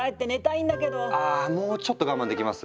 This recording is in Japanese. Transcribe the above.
あもうちょっと我慢できます？